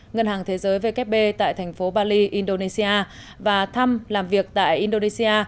ngân hàng thế giới vkp tại thành phố bali indonesia và thăm làm việc tại indonesia